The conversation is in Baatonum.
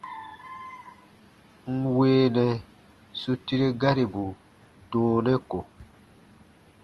N weenɛ su tire garibu dɔɔnɛ ko.